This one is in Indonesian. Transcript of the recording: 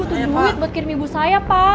butuh duit buat keremi ibu saya oh iya pak